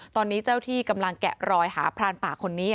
ตอนนี้เจ้าที่กำลังแกะรอยหาพรานป่าคนนี้